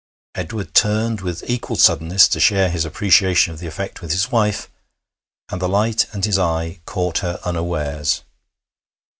Edward turned with equal suddenness to share his appreciation of the effect with his wife, and the light and his eye caught her unawares.